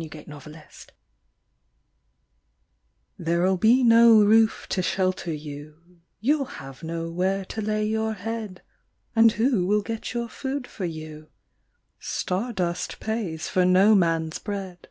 103 THE FIDDLING LAD "There ll be no roof to shelter you; You ll have no where to lay your head. And who will get your food for you? Star dust pays for no man s bread.